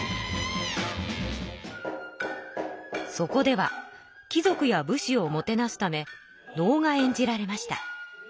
そこでは貴族や武士をもてなすため能が演じられました。